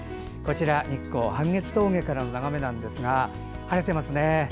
日光・半月峠からの眺めですが晴れてますね。